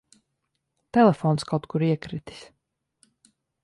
Telefons kaut kur iekritis.